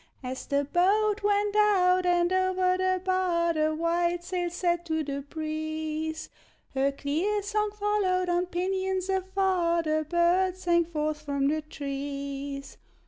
As the boat went out and over the bar The white sails set to the breeze, Her clear song followed on pinions afar; The birds sang forth from the trees.